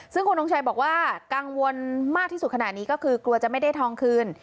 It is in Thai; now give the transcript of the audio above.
ซึ่งคุณทงชัยบอกว่ากังวลมากที่สุดขนาดนี้ก็คือกลัวจะไม่ได้ทองคืน